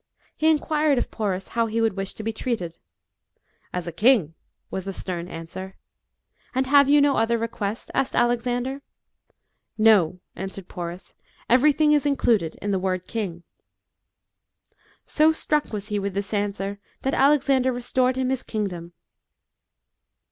He inquired of Porus how he would wish to be treated. " As a king," was the stern ansvfer. "And have you no other request?" asked Alexander. 146 ALEXANDER'S RETURN. [B.C. 324. "No," answered Porus, " everything is included in the word king." So struck was he with this answer, that Alex ander restored him his kingdom.